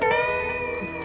aku tak mau ngerti